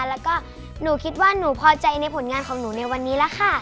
แล้วก็หนูคิดว่าหนูพอใจในผลงานของหนูในวันนี้แล้วค่ะ